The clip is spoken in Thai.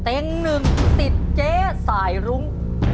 เองหนึ่งสิทธิ์เจ๊สายรุ้ง